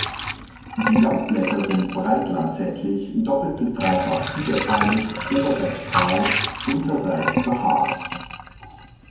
Die Laubblätter sind breit-lanzettlich, doppelt bis dreifach fiederteilig, oberseits kahl, unterseits behaart.